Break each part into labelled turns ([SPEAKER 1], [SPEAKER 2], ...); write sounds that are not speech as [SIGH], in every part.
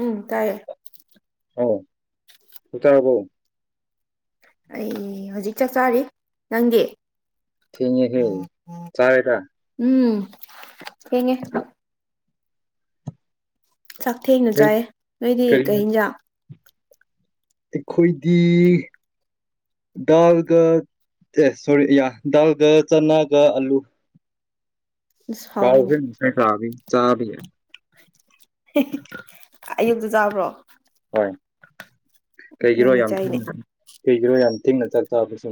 [SPEAKER 1] ꯎꯝ ꯇꯥꯏꯌꯦ꯫
[SPEAKER 2] ꯍꯥꯎ ꯆꯥꯛꯆꯥꯔꯕꯣ꯫
[SPEAKER 1] ꯑꯩ ꯍꯧꯖꯤꯛ ꯆꯥꯛ ꯆꯥꯔꯤ ꯅꯪꯗꯤ꯫
[SPEAKER 2] ꯊꯦꯡꯉꯦ ꯍꯦ ꯆꯥꯔꯦꯗ꯫
[SPEAKER 1] ꯎꯝ ꯊꯦꯡꯉꯦ꯫ ꯆꯥꯛ ꯊꯦꯡꯅ
[SPEAKER 2] ꯀꯩ
[SPEAKER 1] ꯆꯥꯏꯌꯦ ꯅꯣꯏꯗꯤ
[SPEAKER 2] ꯀꯔꯤ
[SPEAKER 1] ꯀꯩ ꯍꯦꯟꯖꯥꯡ꯫
[SPEAKER 2] ꯑꯩꯈꯣꯏꯗꯤ ꯗꯥꯜꯒ ꯑꯦ ꯁꯣꯔꯤ ꯌꯥ ꯗꯥꯜꯒ ꯆꯅꯥꯒ ꯑꯂꯨ
[SPEAKER 1] ꯑꯁ ꯍꯥꯎꯋꯤꯅꯦ
[SPEAKER 2] ꯀꯥꯎꯒꯔꯦꯅꯦ ꯉꯁꯥꯏ ꯀꯥꯕꯒꯤ ꯆꯥꯕꯤꯒꯤ꯫
[SPEAKER 1] ꯑꯌꯨꯛꯇ ꯆꯥꯕ꯭ꯔꯣ꯫
[SPEAKER 2] ꯍꯣꯏ ꯀꯩꯒꯤꯔꯣ
[SPEAKER 1] ꯉꯟꯅ
[SPEAKER 2] ꯌꯥꯝ
[SPEAKER 1] ꯆꯥꯏꯅꯦ
[SPEAKER 2] ꯊꯦꯡꯅ ꯀꯩꯒꯤꯔꯣ ꯌꯥꯝ ꯊꯦꯡꯅ ꯆꯥꯛꯆꯥꯕ ꯁꯦ꯫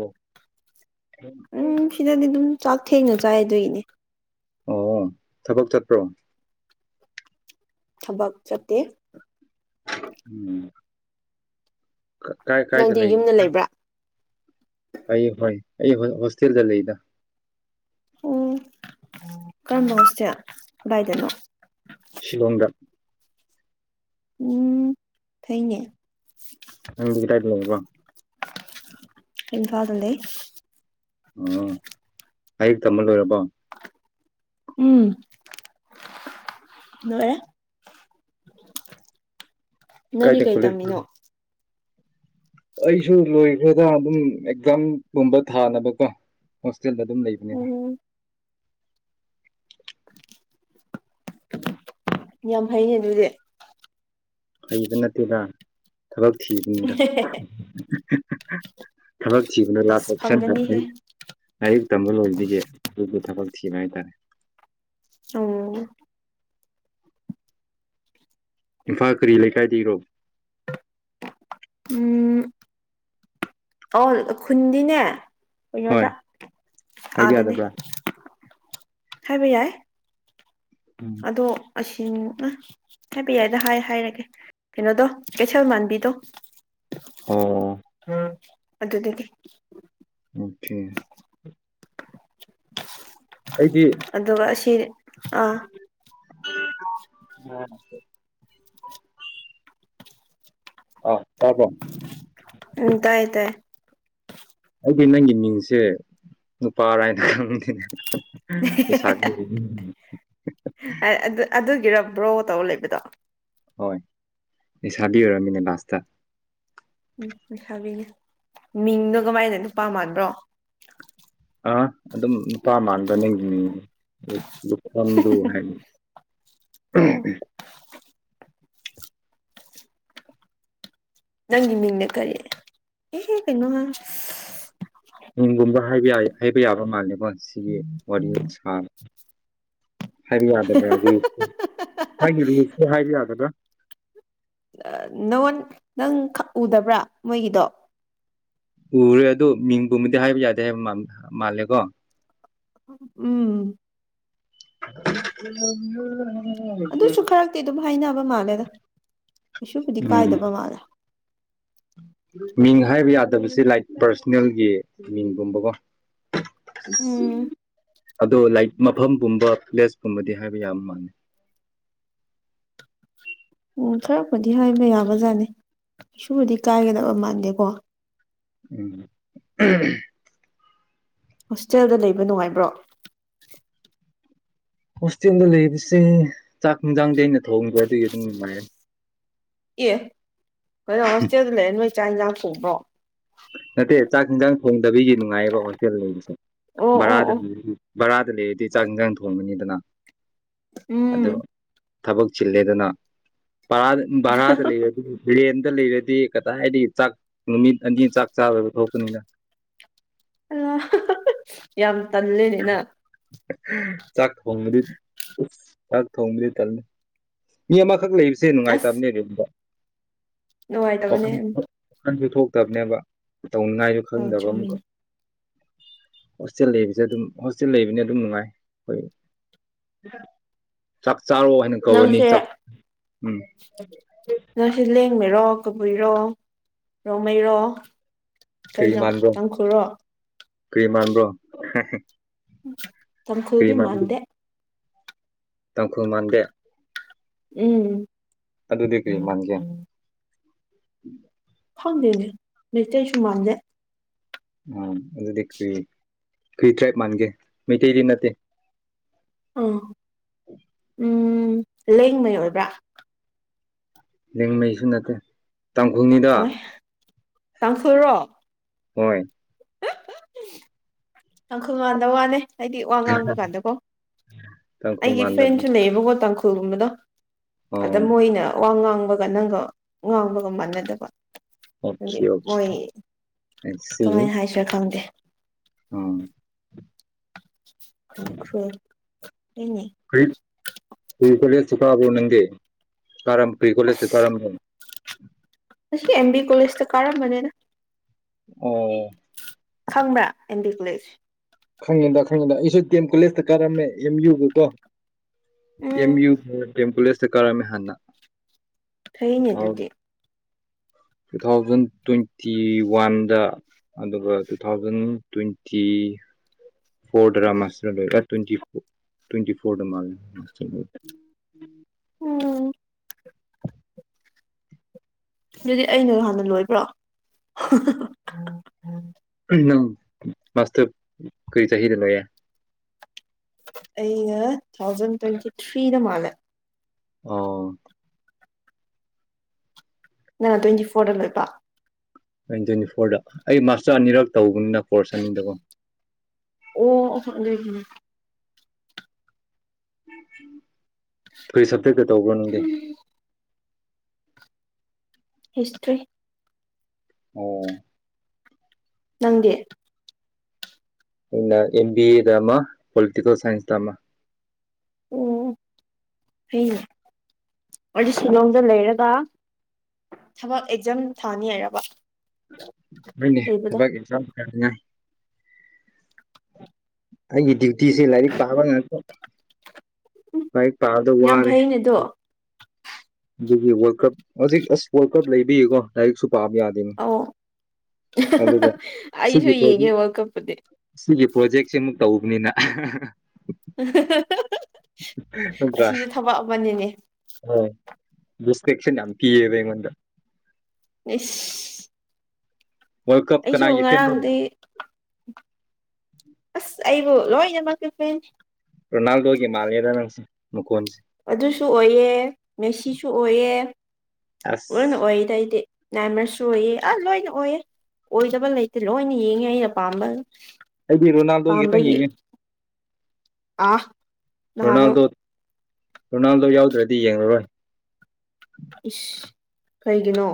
[SPEAKER 1] ꯎꯝ
[SPEAKER 2] [UNINTELLIGIBLE]
[SPEAKER 1] ꯁꯤꯗꯗꯤ ꯑꯗꯨꯝ ꯆꯥꯛ ꯊꯦꯡꯅ ꯆꯥꯏꯑꯗꯨꯏꯅꯦ꯫
[SPEAKER 2] ꯑꯣ ꯊꯕꯛ ꯆꯠꯄ꯭ꯔꯣ꯫
[SPEAKER 1] ꯊꯕꯛ ꯆꯠꯇꯦ꯫
[SPEAKER 2] ꯎꯝ꯫ ꯀꯥꯏ ꯀꯥꯏꯗ
[SPEAKER 1] ꯅꯪꯗꯤ ꯌꯨꯝꯗ
[SPEAKER 2] ꯂꯩꯕ꯫
[SPEAKER 1] ꯂꯩꯕ꯭ꯔꯥ
[SPEAKER 2] ꯐꯩꯌꯦ ꯐꯣꯏ ꯑꯩ ꯍꯣꯁꯇꯦꯜꯗ ꯂꯩꯗ꯫
[SPEAKER 1] ꯎꯝ ꯀꯔꯝꯕ ꯍꯣꯁꯇꯦꯜ ꯀꯗꯥꯏꯗꯅꯣ꯫
[SPEAKER 2] ꯁꯤꯂꯣꯡꯗ꯫
[SPEAKER 1] ꯎꯝ ꯐꯩꯅꯦ꯫
[SPEAKER 2] ꯅꯪꯗꯤ ꯀꯗꯥꯏꯗ ꯑꯣꯏꯕꯔꯣ꯫
[SPEAKER 1] ꯏꯝꯐꯥꯜꯗ ꯂꯩ꯫
[SPEAKER 2] ꯑꯣ ꯂꯥꯏꯔꯤꯛ ꯇꯝꯕ ꯂꯣꯏꯔꯕꯣ
[SPEAKER 1] ꯎꯃ ꯂꯣꯏꯔꯦ ꯅꯪꯗꯤ
[SPEAKER 2] ꯀꯥꯏꯗ
[SPEAKER 1] ꯀꯩ
[SPEAKER 2] ꯀꯣꯂꯦꯖ
[SPEAKER 1] ꯇꯝꯃꯤꯅꯣ
[SPEAKER 2] ꯑꯩꯁꯨ ꯂꯣꯏꯈ꯭ꯔꯦꯗ ꯑꯗꯨꯝ ꯑꯦꯛꯖꯥꯝ ꯒꯨꯝꯕ ꯊꯥꯅꯕꯀꯣ ꯍꯣꯁꯇꯦꯜꯗ ꯑꯗꯨꯝ ꯂꯩꯕ
[SPEAKER 1] ꯎꯝ ꯌꯥꯝ ꯐꯩꯌꯦ ꯑꯗꯨꯗꯤ
[SPEAKER 2] ꯍꯩꯕ ꯅꯠꯇꯦꯗ ꯊꯕꯛ ꯊꯤꯕꯅꯤꯗ ꯊꯕꯛ ꯊꯤꯕꯅ ꯂꯥꯁ
[SPEAKER 1] ꯑꯁ
[SPEAKER 2] ꯑꯣꯞꯁꯟꯗ
[SPEAKER 1] ꯐꯪꯒꯅꯤꯍꯦ
[SPEAKER 2] ꯂꯩ ꯂꯥꯏꯔꯤꯛ ꯇꯝꯕ ꯂꯣꯏꯕꯒꯤ ꯑꯗꯨꯒꯤ ꯊꯕꯛ ꯊꯤꯕ ꯍꯥꯏꯇꯥꯔꯦ
[SPEAKER 1] ꯑꯣ
[SPEAKER 2] ꯏꯝꯐꯥꯜ ꯀꯔꯤ ꯂꯩꯀꯥꯏꯗꯒꯤꯔꯣ
[SPEAKER 1] ꯎꯝ ꯑꯣ ꯈꯨꯟꯗꯤꯅꯦ
[SPEAKER 2] ꯍꯣꯏ
[SPEAKER 1] ꯀꯩꯅꯣꯗ
[SPEAKER 2] ꯍꯥꯏꯕ
[SPEAKER 1] ꯑꯥꯗꯅꯦ
[SPEAKER 2] ꯌꯥꯗꯕ꯭ꯔꯥ
[SPEAKER 1] ꯍꯥꯏꯕ ꯌꯥꯏ
[SPEAKER 2] ꯎꯝ
[SPEAKER 1] ꯑꯗꯣ ꯑꯁꯤ ꯑ ꯍꯥꯏꯕ ꯌꯥꯏꯗ ꯍꯥꯏ ꯍꯥꯏꯔꯒꯦ ꯀꯩꯅꯣꯗꯣ ꯀꯩꯊꯦꯜ ꯃꯥꯟꯕꯤꯗꯣ
[SPEAKER 2] ꯑꯣ
[SPEAKER 1] ꯎꯝ ꯑꯗꯨꯗꯒꯤ
[SPEAKER 2] ꯑꯣꯀꯦ ꯑꯩꯗꯤ
[SPEAKER 1] ꯑꯗꯨꯒ ꯑꯁꯤ ꯑꯥ
[SPEAKER 2] [INAUDIBLE] ꯑ ꯇꯕ꯭ꯔꯣ
[SPEAKER 1] ꯎꯝ ꯇꯥꯏꯌꯦ ꯇꯥꯏꯌꯦ
[SPEAKER 2] ꯑꯩꯗꯤ ꯅꯪꯒꯤ ꯃꯤꯡꯁꯦ ꯅꯨꯄꯥ ꯔꯥꯏꯅ ꯈꯟꯂꯨꯔꯤꯅꯦ [UNINTELLIGIBLE]
[SPEAKER 1] ꯑ ꯑꯗꯨ ꯑꯗꯨꯒꯤꯔ ꯕ꯭ꯔꯣ ꯇꯧꯔ ꯂꯩꯕꯗꯣ
[SPEAKER 2] ꯍꯣꯏ ꯂꯩꯁꯥꯕꯤ ꯑꯣꯏꯔꯝꯃꯤꯅꯦ ꯂꯥꯁꯇ
[SPEAKER 1] ꯎꯝ ꯂꯩꯁꯥꯕꯤꯅꯦ ꯃꯤꯡꯗꯣ ꯀꯃꯥꯏꯅ ꯅꯨꯄꯥ ꯃꯥꯟꯕ꯭ꯔꯣ
[SPEAKER 2] ꯑ ꯑꯗꯨꯝ ꯅꯨꯄꯥ ꯃꯥꯟꯕ ꯅꯡꯒꯤ ꯃꯤꯡꯗꯨ ꯂꯨꯈꯃꯂꯨ ꯍꯥꯏꯕꯗꯨ
[SPEAKER 1] ꯑꯣ ꯅꯪꯒꯤ ꯃꯤꯡꯅ ꯀꯔꯤ ꯑꯦꯍꯦ ꯀꯩꯅꯣ
[SPEAKER 2] ꯃꯤꯡꯒꯨꯝꯕ ꯍꯥꯏꯕ ꯌꯥꯏ ꯌꯥꯕ ꯃꯥꯜꯂꯦꯀꯣ ꯁꯤꯒꯤ ꯋꯥꯔꯤ ꯁꯥ ꯍꯥꯏꯕ ꯌꯥꯗꯕ꯭ꯔꯗꯨ
[SPEAKER 1] ꯅꯉꯣꯟ
[SPEAKER 2] ꯃꯥꯒꯤ ꯔꯨꯜꯁꯇꯨ ꯍꯥꯏꯕ ꯌꯥꯗꯕ꯭ꯔ
[SPEAKER 1] ꯑ ꯅꯪꯉꯣꯟ ꯅꯪ ꯈꯛ ꯎꯗꯕ꯭ꯔꯥ ꯃꯣꯏꯒꯤꯗꯣ
[SPEAKER 2] ꯎꯔꯦ ꯑꯗꯨ ꯃꯤꯡꯒꯨꯝꯕꯗꯤ ꯍꯥꯏꯕ ꯌꯥꯗꯦ ꯍꯥꯏꯕ ꯃꯥꯜ ꯃꯥꯜꯂꯦꯀꯣ
[SPEAKER 1] ꯎꯝ
[SPEAKER 2] [INAUDIBLE]
[SPEAKER 1] ꯑꯗꯨꯁꯨ ꯈꯔꯛꯇꯤ ꯑꯗꯨꯝ ꯍꯥꯏꯅꯕ ꯃꯥꯜꯂꯦꯗ ꯀꯩꯁꯨꯕꯨꯗꯤ
[SPEAKER 2] ꯎꯝ
[SPEAKER 1] ꯀꯥꯏꯗꯕ ꯃꯥꯜꯂꯦ
[SPEAKER 2] ꯃꯤꯡ ꯍꯥꯏꯕ ꯌꯥꯗꯕꯁꯦ ꯂꯥꯏꯛ ꯄꯥꯔꯁꯅꯦꯜꯒꯤ ꯃꯤꯡꯒꯨꯝꯕꯀꯣ
[SPEAKER 1] ꯎꯝ
[SPEAKER 2] ꯑꯗꯣ ꯂꯥꯏꯛ ꯃꯐꯝꯒꯨꯝꯕ ꯄ꯭ꯂꯦꯁꯀꯨꯝꯕꯗꯤ ꯍꯥꯏꯕ ꯌꯥꯕ ꯃꯥꯥꯟꯂꯦ
[SPEAKER 1] ꯎꯝ ꯈꯔꯕꯨꯨꯗꯤ ꯍꯥꯏꯕ ꯌꯥꯕ ꯖꯥꯠꯅꯤ ꯀꯩꯁꯨꯕꯨꯗꯤ ꯀꯥꯏꯒꯗꯕ ꯃꯥꯟꯗꯦꯀꯣ
[SPEAKER 2] ꯎꯝ
[SPEAKER 1] ꯍꯣꯁꯇꯦꯜꯗ ꯂꯩꯕ ꯅꯨꯡꯉꯥꯏꯕ꯭ꯔꯣ
[SPEAKER 2] ꯍꯣꯁꯇꯦꯜꯗ ꯂꯩꯕꯁꯦ ꯆꯥꯛ ꯏꯟꯖꯥꯡꯗꯤ ꯑꯩꯅ ꯊꯣꯡꯕ ꯑꯗꯨꯒꯤ ꯑꯗꯨꯝ ꯅꯨꯡꯉꯥꯏꯌꯦ
[SPEAKER 1] ꯑꯦ ꯀꯩꯅꯣ ꯍꯣꯁꯇꯦꯜꯗ ꯂꯩꯔ ꯅꯣꯏ ꯆꯥꯛ ꯏꯟꯖꯥꯡ ꯊꯣꯡꯕ꯭ꯔꯣ꯫
[SPEAKER 2] ꯅꯠꯇꯦ ꯆꯥꯛ ꯏꯟꯖꯥꯡ ꯊꯣꯡꯗꯕꯤꯒꯤ ꯅꯨꯡꯉꯥꯏꯌꯦꯕ ꯍꯣꯁꯇꯦꯜꯗ ꯂꯩꯕꯁꯦ
[SPEAKER 1] ꯑꯣ ꯑꯣ
[SPEAKER 2] ꯚꯔꯥꯗ
[SPEAKER 1] ꯑꯣ
[SPEAKER 2] ꯚꯔꯥꯗ ꯂꯩꯔꯗꯤ ꯆꯥꯛ ꯏꯟꯖꯥꯡ ꯊꯣꯡꯕꯅꯤꯗꯅ ꯑꯗꯣ
[SPEAKER 1] ꯎꯝ
[SPEAKER 2] ꯊꯕꯛ ꯆꯤꯜꯂꯦꯗꯅ ꯚꯔꯥ ꯚꯔꯥꯗ ꯂꯩꯔꯗꯤ ꯔꯦꯟꯗ ꯂꯩꯔꯗꯤ ꯀꯗꯥꯏꯗꯩ ꯆꯥꯛ ꯅꯨꯃꯤꯠ ꯑꯅꯤ ꯆꯥꯛ ꯆꯥꯗꯕꯤ ꯊꯣꯛꯄꯅꯤꯅ꯫
[SPEAKER 1] ꯑ ꯌꯥꯝ ꯇꯜꯂꯦ ꯅꯪ꯫
[SPEAKER 2] ꯆꯥꯛ ꯊꯣꯡꯕꯗꯤ ꯆꯥꯛ ꯊꯣꯡꯕꯗꯤ ꯇꯜꯂꯦ ꯃꯤ ꯑꯃꯈꯛ ꯂꯩꯕꯁꯦ
[SPEAKER 1] ꯑꯁ
[SPEAKER 2] ꯅꯨꯡꯉꯥꯏꯇꯕꯅꯦ ꯔꯦꯟꯇ꯫
[SPEAKER 1] ꯅꯨꯡꯉꯥꯏꯇꯕꯅꯦ
[SPEAKER 2] ꯋꯥꯈꯜ
[SPEAKER 1] ꯎꯝ
[SPEAKER 2] ꯋꯥꯈꯟꯁꯨ ꯊꯣꯛꯇꯕꯅꯦꯕ꯫ ꯇꯧꯅꯤꯉꯥꯏꯁꯨ
[SPEAKER 1] ꯑꯧ
[SPEAKER 2] ꯈꯪꯗꯕ ꯑꯃꯨꯛꯀ
[SPEAKER 1] ꯆꯨꯝꯃꯤꯅꯦ
[SPEAKER 2] ꯍꯣꯁꯇꯦꯜ ꯂꯩ ꯍꯧꯖꯤꯛ ꯑꯗꯨꯝ ꯍꯣꯁꯇꯦꯜ ꯂꯩꯕꯅꯤꯅ ꯑꯗꯨꯝ ꯅꯨꯡꯉꯥꯏ ꯑꯩꯈꯣꯏ ꯆꯥꯛ ꯆꯥꯔꯣ ꯍꯥꯏꯅ ꯀꯧꯔꯅꯤ
[SPEAKER 1] ꯅꯪꯁꯦ꯫
[SPEAKER 2] ꯆꯥꯛ ꯎꯝ
[SPEAKER 1] ꯅꯪꯁꯤ ꯂꯦꯡꯃꯩꯔꯣ ꯀꯕꯨꯏꯔꯣ ꯔꯣꯡꯃꯩꯔꯣ ꯀꯩꯅꯣ
[SPEAKER 2] ꯀꯔꯤꯃꯥꯟꯕ꯭ꯔꯣ
[SPEAKER 1] ꯇꯥꯡꯈꯨꯜꯔꯣ
[SPEAKER 2] ꯀꯔꯤꯃꯥꯟꯕ꯭ꯔꯣ꯫
[SPEAKER 1] ꯇꯥꯡꯈꯨꯜꯗꯤ ꯃꯥꯥꯟꯗꯦ꯫
[SPEAKER 2] ꯇꯥꯡꯈꯨꯜ ꯃꯥꯟꯗꯦ꯫
[SPEAKER 1] ꯎꯝ꯫
[SPEAKER 2] ꯑꯗꯨꯗꯤ ꯀꯔꯤ ꯃꯥꯟꯒꯦ꯫
[SPEAKER 1] ꯈꯪꯗꯦ ꯑꯗꯨꯗꯤ ꯃꯩꯇꯩꯁꯨ ꯃꯥꯟꯗꯦ꯫
[SPEAKER 2] ꯎꯝ ꯑꯗꯨꯗꯤ ꯀꯔꯤ ꯀꯔꯤ ꯇ꯭ꯔꯥꯏꯞ ꯃꯥꯟꯒꯦ ꯃꯩꯇꯩꯗꯤ ꯅꯠꯇꯦ꯫
[SPEAKER 1] ꯑꯥ ꯎꯝ ꯂꯦꯡꯃꯩ ꯑꯣꯏꯕ꯭ꯔꯥ꯫
[SPEAKER 2] ꯂꯦꯡꯃꯩꯁꯨ ꯅꯠꯇꯦ ꯇꯥꯡꯈꯨꯜꯅꯤꯗ꯫
[SPEAKER 1] ꯑꯣꯏ ꯇꯥꯡꯈꯨꯜꯔꯣ
[SPEAKER 2] ꯍꯣꯏ꯫
[SPEAKER 1] ꯇꯥꯡꯈꯨꯜ ꯃꯥꯟꯗꯕ ꯋꯥꯅꯦ꯫ ꯍꯥꯏꯗꯤ ꯋꯥ ꯉꯥꯡꯕ ꯀꯥꯟꯗꯀꯣ ꯑꯩꯒꯤ
[SPEAKER 2] ꯇꯥꯡꯈꯨꯜꯃꯥꯟꯗꯕꯤ
[SPEAKER 1] ꯐ꯭ꯔꯦꯟꯁꯨ ꯂꯩꯌꯦꯕꯀꯣ ꯇꯥꯡꯈꯨꯜꯒꯨꯝꯕꯗꯣ꯫ ꯑꯗ
[SPEAKER 2] ꯑꯣ
[SPEAKER 1] ꯃꯣꯏꯅ ꯋꯥ ꯉꯥꯡꯕꯒ ꯅꯪꯒ ꯉꯥꯡꯕꯒ ꯃꯥꯟꯅꯗꯕ꯫ ꯍꯥꯏꯗꯤ
[SPEAKER 2] ꯑꯣꯀꯦ ꯑꯣꯀꯦ
[SPEAKER 1] ꯃꯣꯏ
[SPEAKER 2] ꯑꯥꯏ
[SPEAKER 1] ꯀꯃꯥꯏꯅ ꯍꯥꯏꯁꯤꯔ ꯈꯪꯗꯦ꯫
[SPEAKER 2] ꯎꯝ꯫
[SPEAKER 1] ꯇꯥꯡ [UNINTELLIGIBLE] ꯑꯩꯅꯤ
[SPEAKER 2] ꯀꯔꯤ ꯀꯔꯤ ꯀꯣꯂꯦꯖꯇ ꯀꯥꯕ꯭ꯔꯣ ꯅꯪꯗꯤ ꯀꯥꯔꯝꯕ ꯀꯔꯤ ꯀꯣꯂꯦꯖꯇ
[SPEAKER 1] ꯑꯁ
[SPEAKER 2] ꯀꯥꯔꯝꯕꯅꯣ
[SPEAKER 1] ꯑꯁꯤ ꯑꯦꯝ ꯕꯤ ꯀꯣꯂꯦꯖꯇ ꯀꯥꯔꯝꯕꯅꯤꯗ꯫
[SPEAKER 2] ꯑꯣ꯫
[SPEAKER 1] ꯈꯪꯕ꯭ꯔꯥ ꯑꯦꯝ ꯕꯤ ꯀꯣꯂꯦꯖ꯫
[SPEAKER 2] ꯈꯪꯉꯦꯗ ꯈꯪꯉꯦꯗ ꯑꯩꯁꯨ ꯗꯤ ꯑꯦꯝ ꯀꯣꯂꯦꯖꯇ ꯀꯥꯔꯝꯃꯦ ꯑꯦꯝ ꯌꯨꯒꯤꯗꯣ꯫
[SPEAKER 1] ꯎꯝ
[SPEAKER 2] ꯑꯦꯝ ꯌꯨ ꯗꯤ ꯑꯦꯝ ꯀꯣꯂꯦꯖꯇ ꯀꯥꯔꯝꯃꯦ ꯍꯥꯟꯅ
[SPEAKER 1] ꯐꯩꯅꯦ
[SPEAKER 2] ꯊꯥꯎ
[SPEAKER 1] ꯑꯗꯨꯗꯤ
[SPEAKER 2] ꯇꯨ ꯊꯥꯎꯖꯟ ꯇ꯭ꯋꯦꯟꯇꯤ ꯋꯥꯟꯗ꯫ ꯑꯗꯨꯒ ꯇꯨ ꯊꯥꯎꯖꯟ ꯇ꯭ꯋꯦꯟꯇꯤ꯫ ꯐꯣꯔꯗꯔꯥ ꯃꯥꯁꯇ꯭ꯔ ꯂꯣꯏꯕ ꯇ꯭ꯋꯦꯟꯇꯤ ꯇ꯭ꯋꯦꯟꯇꯤ ꯐꯣꯔꯗ ꯃꯥꯜꯂꯦ ꯃꯥꯁꯇ꯭ꯔ ꯂꯣꯏꯕ
[SPEAKER 1] ꯎꯝ꯫ ꯑꯗꯨꯗꯤ ꯑꯩꯅ ꯍꯥꯟꯅ ꯂꯣꯏꯕ꯭ꯔꯣ꯫
[SPEAKER 2] ꯎꯝ ꯅꯪ ꯃꯥꯁꯇꯔ ꯀꯔꯤ ꯆꯍꯤꯗ ꯂꯣꯏꯌꯦ꯫
[SPEAKER 1] ꯑꯩꯅ ꯇꯨ ꯊꯥꯎꯖꯟ ꯇ꯭ꯋꯦꯟꯇꯤ ꯊ꯭ꯔꯤꯗ ꯃꯥꯜꯂꯦ꯫
[SPEAKER 2] ꯑꯣ꯫
[SPEAKER 1] ꯅꯪꯅ ꯇ꯭ꯋꯦꯟꯇꯤ ꯐꯣꯔꯗ ꯂꯣꯏꯕ꯫
[SPEAKER 2] ꯇ꯭ꯋꯦꯟ ꯇ꯭ꯋꯦꯟꯇꯤ ꯐꯣꯔꯗ ꯑꯩ ꯃꯥꯁꯇꯔ ꯑꯅꯤꯔꯛ ꯇꯧꯕꯅꯤꯅ ꯀꯣꯔꯁ ꯑꯅꯤꯗꯀꯣ꯫
[SPEAKER 1] ꯑꯣ [UNINTELLIGIBLE]
[SPEAKER 2] ꯀꯔꯤ ꯁꯕꯖꯦꯛꯇ ꯇꯧꯕ꯭ꯔ ꯅꯪꯗꯤ
[SPEAKER 1] ꯍꯤꯁꯇ꯭ꯔꯤ
[SPEAKER 2] ꯑꯣ
[SPEAKER 1] ꯅꯪꯗꯤ
[SPEAKER 2] ꯑꯩꯅꯥ ꯑꯦꯝ ꯕꯤ ꯑꯦꯗ ꯑꯃ ꯄꯣꯂꯤꯇꯤꯀꯦꯜ ꯁꯥꯏꯟꯁꯇ ꯑꯃ
[SPEAKER 1] ꯑꯣ ꯐꯩꯅꯦ ꯑꯩꯗꯤ ꯁꯤꯂꯣꯡꯗ ꯂꯩꯔꯒ ꯊꯕꯛ ꯑꯦꯛꯖꯥꯝ ꯊꯥꯅꯤ ꯍꯥꯏꯔꯕ
[SPEAKER 2] ꯍꯣꯏꯅꯦ
[SPEAKER 1] ꯂꯩꯕꯗꯣ
[SPEAKER 2] ꯊꯕꯛ ꯑꯦꯖꯥꯝ ꯊꯥꯔꯉꯥꯏ ꯑꯩꯒꯤꯗꯤ ꯄꯨꯟꯁꯤꯁꯦ ꯂꯥꯏꯔꯤꯛ ꯄꯥꯕ ꯉꯥꯛꯇ ꯂꯥꯏꯔꯤꯛ ꯄꯥꯕꯗ ꯋꯥꯔꯦ
[SPEAKER 1] [UNINTELLIGIBLE]
[SPEAKER 2] ꯑꯗꯨꯒꯤ ꯋꯥꯔꯜ ꯀꯞ ꯍꯧꯖꯤꯛ ꯑꯁ ꯋꯥꯔꯜꯗ ꯀꯞ ꯂꯩꯕꯒꯤꯀꯣ ꯂꯥꯏꯔꯤꯛꯁꯨ ꯄꯥꯕ ꯌꯥꯗꯦ
[SPEAKER 1] ꯑꯣ ꯑꯩꯁꯨ
[SPEAKER 2] ꯁꯤꯒꯤ
[SPEAKER 1] ꯌꯦꯡꯉꯦ
[SPEAKER 2] ꯄ꯭ꯔꯣꯖꯦꯛ
[SPEAKER 1] ꯋꯥꯔꯜ ꯀꯞ ꯄꯨꯗꯤ
[SPEAKER 2] ꯁꯤꯒꯤ ꯄ꯭ꯔꯣꯖꯦꯛꯁꯦ ꯁꯤꯃꯨꯛ ꯇꯧꯕꯅꯤꯅ
[SPEAKER 1] [UNINTELLIGIBLE]
[SPEAKER 2] ꯅꯠꯇ꯭ꯔꯥ
[SPEAKER 1] ꯑꯁꯤꯁꯨ ꯊꯕꯛ ꯑꯃꯅꯤꯅꯦ
[SPEAKER 2] ꯗꯤꯁꯇ꯭ꯔ꯭ꯦꯛꯁꯟ ꯌꯥꯝ ꯄꯤꯌꯦꯕ ꯑꯩꯉꯣꯟꯗ
[SPEAKER 1] ꯑꯩꯁ
[SPEAKER 2] ꯋꯥꯔꯜ ꯀꯞ ꯀꯅꯥꯒꯤ ꯐꯦꯟꯔꯣ
[SPEAKER 1] ꯉꯔꯥꯡꯗꯤ ꯑꯁ ꯑꯩꯕꯨ ꯂꯣꯏꯅꯃꯛꯀꯤ ꯐꯦꯟꯅꯤ
[SPEAKER 2] ꯔꯣꯅꯥꯜꯗꯣꯒꯤ ꯃꯥꯜꯂꯦꯗ ꯅꯪꯁꯤ ꯃꯈꯣꯟꯁꯤ
[SPEAKER 1] ꯑꯗꯨꯁꯨ ꯑꯣꯏꯌꯦ ꯃꯦꯁꯤꯁꯨ ꯑꯣꯏꯌꯦ
[SPEAKER 2] ꯑꯁ
[SPEAKER 1] ꯂꯣꯏꯅ ꯑꯣꯏꯌꯦꯗ ꯑꯩꯗꯤ ꯅꯥꯏꯃ꯭ꯔꯁꯨ ꯑꯣꯏꯌꯦ ꯑ ꯂꯣꯏꯅ ꯑꯣꯏꯌꯦ ꯑꯣꯏꯗꯕ ꯂꯩꯇꯦ ꯂꯣꯏꯅ ꯌꯦꯡꯉꯦ ꯑꯩꯅ ꯑꯄꯥꯝꯕ
[SPEAKER 2] ꯑꯩꯗꯤ ꯔꯣꯅꯥꯜꯗꯣ ꯈꯤꯇꯪ ꯌꯦꯡꯉꯦ꯫
[SPEAKER 1] ꯑꯥ ꯅꯍꯥꯟꯃꯨꯛ
[SPEAKER 2] ꯔꯣꯅꯥꯜꯗꯣ ꯔꯣꯅꯥꯜꯗꯣ ꯌꯥꯎꯗ꯭ꯔꯗꯤ ꯌꯦꯡꯂꯔꯣꯏ
[SPEAKER 1] ꯏꯁ ꯀꯔꯤꯒꯤꯅꯣ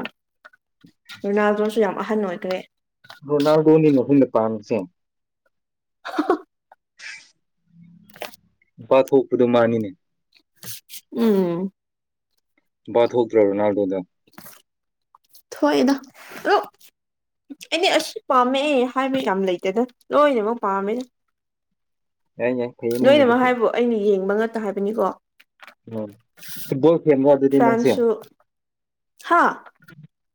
[SPEAKER 1] ꯔꯨꯅꯥꯜꯗꯣꯁꯨ ꯌꯥꯝ ꯑꯍꯟ ꯑꯣꯏꯈ꯭ꯔꯦ
[SPEAKER 2] ꯔꯣꯅꯥꯜꯗꯣꯅꯤꯅꯦ ꯑꯈꯣꯏꯅ ꯄꯥꯝꯃꯤꯁꯦ
[SPEAKER 1] [UNINTELLIGIBLE] [UNINTELLIGIBLE]
[SPEAKER 2] ꯅꯨꯄꯥ ꯊꯣꯛꯄꯗꯣ ꯃꯅꯤꯅꯦ
[SPEAKER 1] ꯎꯝ
[SPEAKER 2] ꯅꯨꯄꯥ ꯊꯣꯛꯇꯔꯣ ꯔꯣꯅꯥꯜꯗꯣꯗꯣ
[SPEAKER 1] ꯊꯣꯛꯏꯗ ꯑꯩꯅꯦ ꯑꯁꯨ ꯄꯥꯝꯃꯦ ꯍꯥꯏꯕ ꯌꯥꯝ ꯂꯩꯇꯦꯗ ꯂꯣꯏꯅꯃꯛ ꯄꯥꯝꯃꯦ
[SPEAKER 2] [UNINTELLIGIBLE]
[SPEAKER 1] ꯂꯣꯏꯅꯃꯛ ꯍꯥꯏꯕꯨ ꯑꯩꯅ ꯌꯦꯡꯕ ꯉꯥꯛꯇꯥ ꯍꯥꯏꯕꯅꯤꯀꯣ
[SPEAKER 2] ꯎꯝ ꯐꯨꯠꯕꯣꯜ ꯐꯦꯟꯂꯣ ꯑꯗꯨꯗꯤ ꯅꯪꯁꯦ
[SPEAKER 1] ꯐ꯭ꯔꯥꯟꯁꯁꯨ ꯍꯥ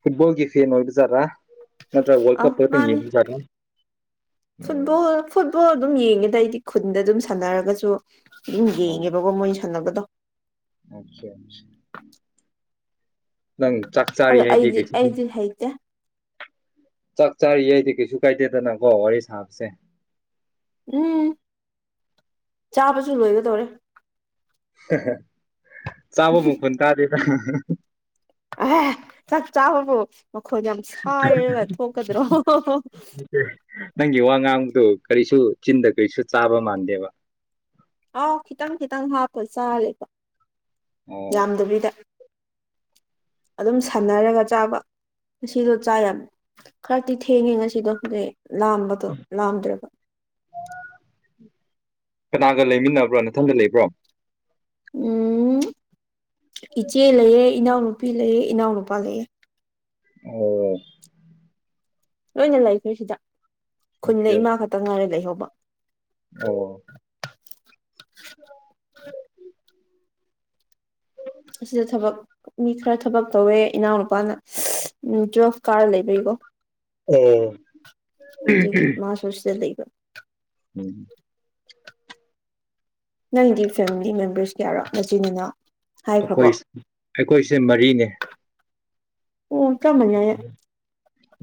[SPEAKER 2] ꯐꯨꯠꯕꯣꯜꯒꯤ ꯐꯦꯟ ꯑꯣꯏꯕꯖꯥꯠꯂ ꯅꯠꯇ꯭ꯔ
[SPEAKER 1] ꯑꯥ
[SPEAKER 2] ꯋꯥꯔꯜꯀꯞ ꯈꯛꯇꯥ
[SPEAKER 1] ꯃꯥꯅꯤ
[SPEAKER 2] ꯌꯦꯡꯕ ꯖꯥꯠꯂ
[SPEAKER 1] ꯐꯨꯠꯕꯣꯜ ꯐꯨꯠꯕꯣꯜ ꯑꯗꯨꯝ ꯌꯦꯡꯉꯦꯗ ꯑꯩꯗꯤ ꯈꯨꯟꯗ ꯑꯗꯨꯝ ꯁꯥꯟꯅꯔꯒꯁꯨ ꯁꯨꯝ ꯌꯦꯡꯉꯦꯕꯀꯣ ꯃꯣꯏ ꯁꯥꯟꯅꯕꯗꯣ
[SPEAKER 2] [UNINTELLIGIBLE] ꯅꯪ ꯆꯥꯛ ꯆꯥꯏ
[SPEAKER 1] ꯑꯗꯣ
[SPEAKER 2] [UNINTELLIGIBLE]
[SPEAKER 1] ꯑꯩꯗꯤ ꯑꯩꯗꯤ ꯍꯩꯇꯦ
[SPEAKER 2] ꯆꯥꯛ ꯆꯥꯔꯤꯉꯩꯗꯤ ꯀꯩꯁꯨ ꯀꯥꯏꯗꯦꯗꯅꯀꯣ ꯋꯥꯔꯤ ꯁꯥꯕꯁꯦ
[SPEAKER 1] ꯎꯝ ꯆꯥꯕꯁꯨ ꯂꯣꯏꯒꯗꯧꯔꯦ
[SPEAKER 2] ꯆꯥꯕ ꯃꯈꯣꯟ ꯇꯥꯗꯦꯗ
[SPEAKER 1] ꯑꯦ ꯆꯥꯛ ꯆꯥꯕꯕꯨ ꯃꯈꯣꯟ ꯌꯥꯝ ꯁꯥꯏꯔꯒ ꯊꯣꯛꯀꯗ꯭ꯔꯣ
[SPEAKER 2] ꯅꯪꯒꯤ ꯋꯥ ꯉꯥꯡꯕꯗꯣ ꯀꯔꯤꯁꯨ ꯆꯤꯟꯗ ꯀꯔꯤꯁꯨ ꯆꯥꯕ ꯃꯥꯟꯗꯦꯕ
[SPEAKER 1] ꯑꯥꯎ ꯈꯤꯇꯪ ꯈꯤꯇꯪ ꯍꯥꯞꯄ ꯆꯥꯔꯦꯕ
[SPEAKER 2] ꯑꯣ
[SPEAKER 1] ꯌꯥꯝꯗꯕꯤꯗ ꯑꯗꯨꯝ ꯁꯥꯟꯅꯔꯒ ꯆꯥꯕ ꯉꯁꯤꯗꯣ ꯆꯥ ꯌꯥꯝ ꯈꯔꯗꯤ ꯊꯦꯡꯉꯦ ꯉꯁꯤꯗꯣ ꯍꯧꯖꯤꯛ ꯂꯥꯝꯕꯗꯣ ꯂꯥꯝꯗ꯭ꯔꯕ
[SPEAKER 2] ꯀꯅꯥꯒ ꯂꯩꯃꯤꯟꯅꯕ꯭ꯔꯣ ꯅꯊꯟ ꯂꯩꯕ꯭ꯔꯣ
[SPEAKER 1] ꯎꯝ ꯏꯆꯦ ꯂꯩꯌꯦ ꯏꯅꯥꯎꯅꯨꯄꯤ ꯂꯩꯑꯦ ꯏꯅꯥꯎꯅꯨꯄꯥ ꯂꯩꯑꯦ
[SPEAKER 2] ꯑꯣ
[SPEAKER 1] ꯂꯣꯏꯅ ꯂꯩꯈ꯭ꯔꯦ ꯁꯤꯗ
[SPEAKER 2] ꯑꯣꯀꯦ
[SPEAKER 1] ꯈꯨꯟꯗ ꯏꯃꯥ ꯈꯛꯇ ꯉꯥꯏꯔꯦ ꯂꯩꯍꯧꯕ
[SPEAKER 2] ꯑꯣ [INAUDIBLE]
[SPEAKER 1] ꯑꯁꯤꯗ ꯊꯕꯛ ꯃꯤ ꯈꯔ ꯊꯕꯛ ꯇꯧꯋꯦ ꯏꯅꯥꯎꯅꯨꯄꯥꯅ ꯎꯝ ꯇꯨꯋꯦꯜꯐ ꯀꯥꯔ ꯂꯩꯕꯒꯤꯀꯣ
[SPEAKER 2] ꯑꯣ
[SPEAKER 1] ꯑꯗꯨꯒꯤ ꯃꯥꯁꯨ ꯁꯤꯗ ꯂꯩꯕ
[SPEAKER 2] ꯎꯝ
[SPEAKER 1] ꯅꯪꯗꯤ ꯐꯦꯃꯤꯂꯤ ꯃꯦꯝꯕꯔꯁ ꯀꯌꯥꯔꯣ ꯅꯆꯤꯟ ꯅꯅꯥꯎ ꯍꯥꯏꯈ꯭ꯔꯕꯣ
[SPEAKER 2] ꯑꯩꯈꯣꯏ ꯑꯩꯈꯣꯏꯁꯦ ꯃꯔꯤꯅꯦ
[SPEAKER 1] ꯑꯣ ꯆꯥꯞ ꯃꯥꯟꯅꯩ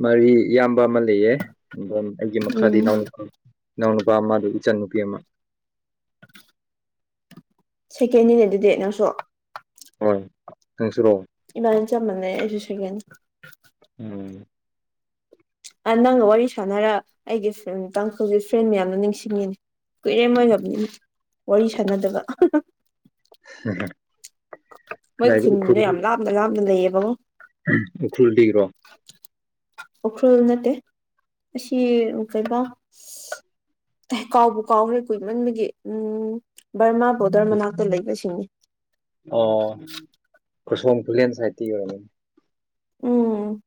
[SPEAKER 2] ꯃꯔꯤ ꯏꯌꯥꯝꯕ ꯑꯃ ꯂꯩꯌꯦ ꯑꯗꯨ ꯑꯩꯒꯤ ꯃꯈꯥꯗ
[SPEAKER 1] ꯎꯝ
[SPEAKER 2] ꯑꯤꯅꯥꯎ ꯅꯨꯄ ꯑꯃꯥ ꯑꯤꯅꯥꯎ ꯅꯨꯄꯥ ꯑꯃ ꯑꯗꯨ ꯏꯆꯟ ꯅꯨꯄꯤ ꯑꯃ
[SPEAKER 1] [INAUDIBLE] ꯁꯦꯀꯦꯟꯅꯤꯅꯦ ꯑꯗꯨꯗꯤ ꯅꯪꯁꯨ
[SPEAKER 2] ꯍꯣꯏ ꯅꯪꯁꯨꯔꯣ
[SPEAKER 1] ꯏꯕꯅꯤ ꯆꯞ ꯃꯅꯩ ꯑꯩꯁꯨ ꯁꯦꯀꯦꯟꯅꯦ
[SPEAKER 2] ꯎꯝ
[SPEAKER 1] ꯑꯥ ꯅꯪꯒ ꯋꯥꯔꯤ ꯁꯥꯟꯅꯔ ꯑꯩꯒꯤ ꯐ꯭ꯔꯦꯟ ꯇꯥꯡꯈꯨꯜꯒꯤ ꯐ꯭ꯔꯦꯟ ꯃꯌꯥꯝꯗꯨ ꯅꯤꯡꯁꯤꯡꯉꯤꯅꯤ ꯀꯨꯏꯔꯦ ꯃꯣꯏꯒ ꯋꯥꯔꯤ ꯁꯥꯟꯅꯗꯕ
[SPEAKER 2] [UNINTELLIGIBLE]
[SPEAKER 1] ꯃꯣꯏ
[SPEAKER 2] ꯀꯗꯥꯏꯗ
[SPEAKER 1] ꯈꯨꯟꯗꯣ ꯌꯥꯝ ꯂꯥꯞꯅ ꯂꯥꯞꯅ ꯂꯩꯌꯦꯕꯀꯣ
[SPEAKER 2] ꯎꯝ ꯎꯈ꯭ꯔꯨꯜꯗꯒꯤꯔꯣ
[SPEAKER 1] ꯎꯈ꯭ꯔꯨꯜ ꯅꯠꯇꯦ ꯑꯁꯤ ꯀꯩꯕꯥ ꯀꯥꯎꯕꯨ ꯀꯥꯎꯒꯔꯦ ꯀꯨꯏꯃꯟꯕꯒꯤ ꯎꯝ ꯕꯔꯃꯥ ꯕꯣꯔꯗꯔ ꯃꯅꯥꯛꯇ ꯂꯩꯕꯁꯤꯡꯅꯤ
[SPEAKER 2] ꯑꯣ ꯀꯁꯣꯝ ꯈꯨꯂꯦꯟ ꯁꯥꯏꯠꯇꯒꯤ ꯑꯣꯏꯔꯝꯒꯅꯤ
[SPEAKER 1] ꯎꯝ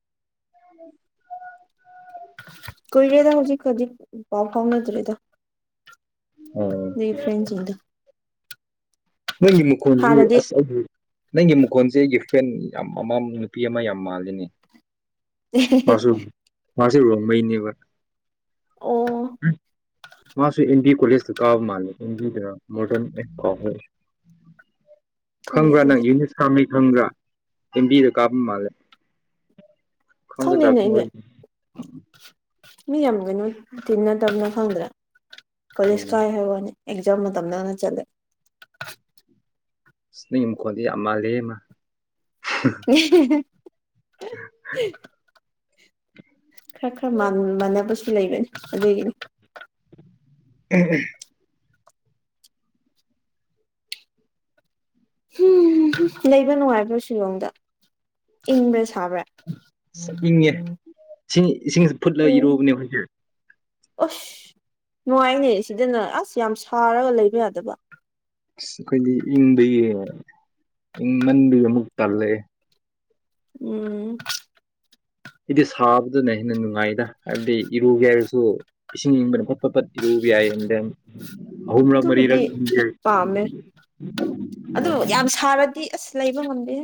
[SPEAKER 2] [INAUDIBLE]
[SPEAKER 1] ꯀꯨꯏꯔꯦꯗ ꯍꯧꯖꯤꯛ ꯍꯧꯖꯤꯛ ꯄꯥꯎ ꯐꯥꯎꯅꯗ꯭ꯔꯦꯗ
[SPEAKER 2] ꯑꯣ
[SPEAKER 1] ꯐꯔꯦꯟꯁꯤꯡꯗꯨ
[SPEAKER 2] ꯅꯪꯒꯤ ꯃꯈꯣꯟꯁꯤꯁꯨ
[SPEAKER 1] ꯍꯥꯟꯅꯗꯤ
[SPEAKER 2] ꯑꯁ ꯑꯩꯗꯤ ꯅꯪꯒꯤ ꯃꯈꯣꯟꯁꯦ ꯑꯩꯒꯤ ꯐ꯭ꯔꯦꯟ ꯌꯥꯝ ꯑꯃ ꯅꯨꯄꯤ ꯑꯃ ꯌꯥꯝ ꯃꯥꯜꯂꯤꯅꯦ ꯃꯥꯁꯨ ꯃꯥꯁꯨ ꯔꯣꯟꯃꯩꯅꯦꯕ
[SPEAKER 1] ꯑꯣ
[SPEAKER 2] ꯃꯥꯁꯨ ꯑꯦꯟ ꯗꯤ ꯀꯣꯂꯦꯖꯇ ꯀꯥꯕ ꯃꯥꯜꯂꯦ ꯑꯦꯟ ꯕꯤꯗ ꯃꯣꯗꯥꯜꯔ ꯑꯦ ꯀꯥꯎꯒ꯭ꯔꯦ
[SPEAKER 1] ꯈꯪꯗꯦ
[SPEAKER 2] ꯈꯪꯕ꯭ꯔꯥ ꯅꯪ
[SPEAKER 1] ꯑꯗꯨꯗꯤ
[SPEAKER 2] ꯌꯨꯅꯤꯁ ꯀꯥꯝꯃꯩ ꯈꯪꯕ꯭ꯔꯥ ꯑꯦꯝꯕꯤꯗ ꯀꯥꯕ ꯃꯥꯜꯂꯦ ꯈꯪꯒꯗ꯭ꯔꯥ
[SPEAKER 1] ꯈꯪꯗꯦꯅꯦ
[SPEAKER 2] ꯈꯪꯉꯣꯏ
[SPEAKER 1] ꯑꯩꯗꯤ ꯃꯤ ꯌꯥꯝꯒꯥꯅꯤ ꯇꯤꯟꯅꯗꯕꯅꯤꯅ ꯈꯪꯗ꯭ꯔꯦ ꯀꯣꯂꯦꯖ
[SPEAKER 2] ꯎꯝ
[SPEAKER 1] ꯀꯥꯏ ꯍꯥꯏ ꯋꯥꯅꯤ ꯑꯦꯛꯖꯥꯝ ꯃꯇꯝꯗꯅ ꯆꯠꯂꯦ꯫
[SPEAKER 2] ꯑꯁ ꯅꯪ ꯃꯈꯣꯟꯗꯤ ꯌꯥꯝ ꯃꯥꯜꯂꯦ ꯃꯥ꯫
[SPEAKER 1] [UNINTELLIGIBLE]
[SPEAKER 2] [INAUDIBLE]
[SPEAKER 1] ꯈꯔ ꯈꯔ ꯃꯥꯟꯅꯕꯁꯨ ꯂꯩꯕꯅꯤ ꯑꯗꯨꯒꯤꯅꯤ꯫
[SPEAKER 2] [UNINTELLIGIBLE]
[SPEAKER 1] ꯍꯨꯝ ꯍꯨꯝ ꯂꯩꯕ ꯅꯨꯡꯉꯥꯏꯕ꯭ꯔꯥ ꯁꯤꯂꯣꯡꯗ ꯏꯪꯕꯔ ꯁꯥꯕ꯭ꯔꯥ꯫
[SPEAKER 2] ꯏꯪꯉꯦ ꯏꯁꯤꯡ ꯏꯁꯤꯡꯒ ꯐꯨꯠꯂꯒ
[SPEAKER 1] ꯎꯝ
[SPEAKER 2] ꯏꯔꯨꯎꯕꯅꯦ ꯑꯩꯈꯣꯏꯗꯤ꯫
[SPEAKER 1] ꯑꯁ ꯅꯨꯡꯉꯥꯏꯅꯦ ꯁꯤꯗꯅ ꯑꯁ ꯌꯥꯝ ꯁꯥꯔꯒ ꯂꯩꯕ ꯌꯥꯗꯕ꯫
[SPEAKER 2] ꯑꯁ ꯑꯩꯈꯣꯏꯗꯤ ꯏꯪꯕꯒꯤ ꯏꯪꯃꯟꯕꯩ ꯑꯃꯨꯛ ꯇꯜꯂꯛꯑꯦ꯫
[SPEAKER 1] ꯎꯝ꯫
[SPEAKER 2] ꯑꯩꯗꯤ ꯁꯕꯗꯨꯅ ꯍꯦꯟꯅ ꯅꯨꯡꯉꯥꯏꯗ ꯍꯥꯏꯕꯗꯤ ꯏꯔꯨꯒꯦ ꯍꯥꯏꯔꯁꯨ ꯏꯁꯤꯡ ꯏꯪꯕꯅ ꯐꯠ ꯐꯠ ꯐꯠ꯫ ꯏꯔꯨꯒꯦ ꯌꯥꯏꯍꯥꯏꯕꯅꯤꯗ ꯑꯍꯨꯝꯂꯛ
[SPEAKER 1] ꯑꯗꯨꯕꯨꯗꯤ
[SPEAKER 2] ꯃꯔꯤꯔꯛ꯫
[SPEAKER 1] ꯄꯥꯝꯃꯦ ꯑꯗꯨ
[SPEAKER 2] ꯑꯣ
[SPEAKER 1] ꯌꯥꯝ ꯁꯔꯥꯗꯤ ꯑꯁ ꯂꯩꯕ ꯉꯝꯗꯦꯍꯦ꯫